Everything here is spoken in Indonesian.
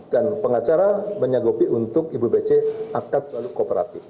dan pengacara menyanggupi untuk ibu pece akan selalu kooperatif